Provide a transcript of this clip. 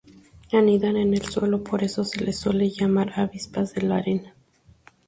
Anidan en el suelo, por eso se las suele llamar avispas de la arena.